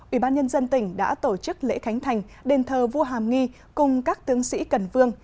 ủy ban nhân dân tỉnh đã tổ chức lễ khánh thành đền thờ vua hàm nghi cùng các tướng sĩ cần vương